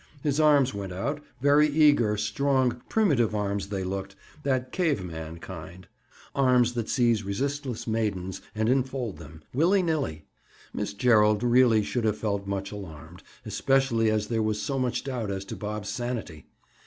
His arms went out—very eager, strong, primitive arms they looked—that cave man kind! Arms that seize resistless maidens and enfold them, willy nilly! Miss Gerald really should have felt much alarmed, especially as there was so much doubt as to Bob's sanity.